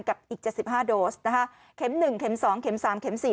กับอีกเจ็ดสิบห้าโดสนะคะเข็มหนึ่งเข็มสองเข็มสามเข็มสี่